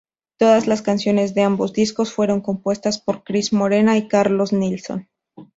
Todas las canciones de ambos discos fueron compuestas por Cris Morena y Carlos Nilson.